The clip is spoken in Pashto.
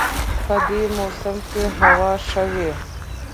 په دې موسم کې هوا ښه وي